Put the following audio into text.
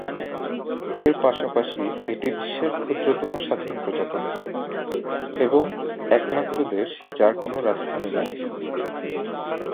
এর পাশাপাশি এটি বিশ্বের ক্ষুদ্রতম স্বাধীন প্রজাতন্ত্র, এবং একমাত্র দেশ যার কোন রাজধানী নাই।